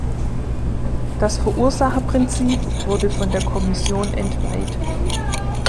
Das Verursacherprinzip wurde von der Kommission entweiht.